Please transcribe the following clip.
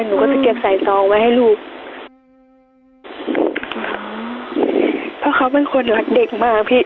หนูก็จะเก็บใส่ซองไว้ให้ลูกเพราะเขาเป็นคนรักเด็กมากพี่